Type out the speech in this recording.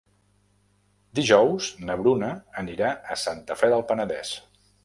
Dijous na Bruna anirà a Santa Fe del Penedès.